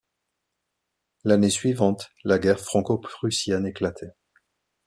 L'année suivante la guerre franco-prussienne éclatait.